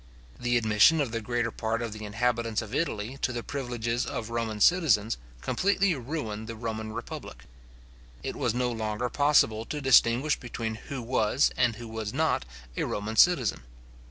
The admission of the greater part of the inhabitants of Italy to the privileges of Roman citizens, completely ruined the Roman republic. It was no longer possible to distinguish between who was, and who was not, a Roman citizen.